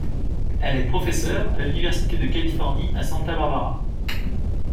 Elle est professeure à l'Université de Californie à Santa Barbara.